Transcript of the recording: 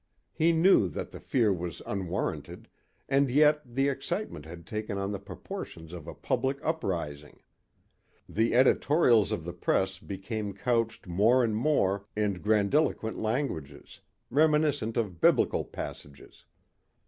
He knew that the fear was unwarranted and yet the excitement had taken on the proportions of a public uprising. The editorials of the press became couched more and more in grandiloquent languages, reminiscent of Biblical passages.